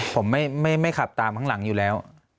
ผมไม่ขับตามข้างหลังอยู่แล้ว